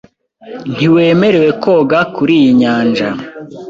Ntiwemerewe koga kuriyi nyanja .